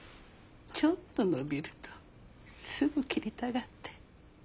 ちょっと伸びるとすぐ切りたがって。